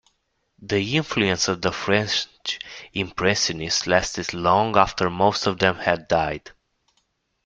The influence of the French Impressionists lasted long after most of them had died.